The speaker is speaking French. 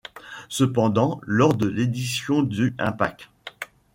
Cependant lors de l'édition du Impact!